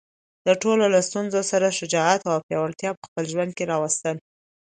د ټولو له ستونزو سره شجاعت او پیاوړتیا په خپل ژوند کې راوستل.